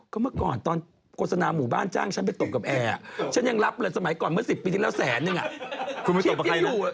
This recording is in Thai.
ก็เมื่อก่อนตอนกศิลป์สนามหมู่บ้านจะไม่ตกกับแอร์ยังรับเลยสมัยก่อนเมื่อสิบปีที่แล้วแสนจำ